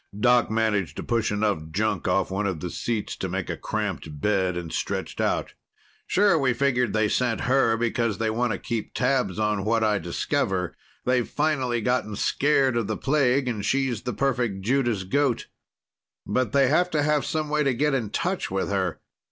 Doc managed to push enough junk off one of the seats to make a cramped bed, and stretched out. "Sure, we figured they sent her because they want to keep tabs on what I discover. They've finally gotten scared of the plague, and she's the perfect Judas goat. But they have to have some way to get in touch with her.